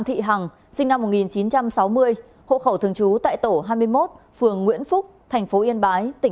kính chào quý vị và các bạn